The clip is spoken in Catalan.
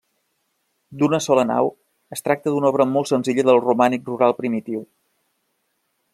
D'una sola nau, es tracta d'una obra molt senzilla del romànic rural primitiu.